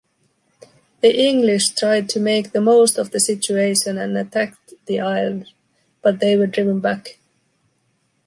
The English tried to make the most of the situation and attacked the island, but they were driven back.